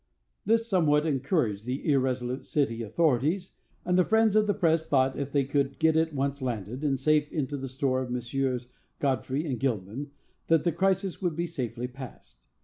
This somewhat encouraged the irresolute city authorities, and the friends of the press thought, if they could get it once landed, and safe into the store of Messrs. Godfrey & Gilman, that the crisis would be safely passed.